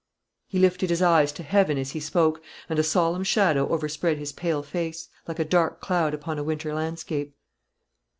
He lifted his eyes to heaven as he spoke, and a solemn shadow overspread his pale face, like a dark cloud upon a winter landscape.